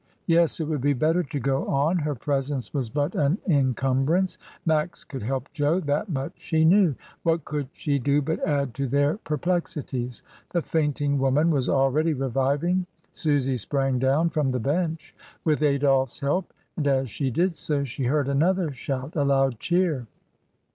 Yes! it would be better to go on; her presence was but AT THE TERMINUS. 263 an incumbrance; Max could help Jo, that much she knew; what could she do but add to their per plexities. The fainting woman was already reviving, Susy sprang down from the bench with Adolphe's help, and as she did so she heard another shout, a loud cheer.